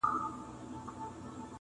اوس به څوك ځي په اتڼ تر خيبرونو-